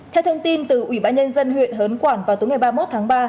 theo thông tin từ ủy ban nhân dân huyện hớn quản vào tối ngày ba mươi một tháng ba